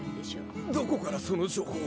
どこからその情報を。